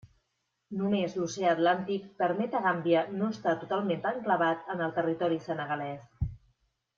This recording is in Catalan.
Només l'Oceà Atlàntic permet a Gàmbia no estar totalment enclavat en el territori senegalès.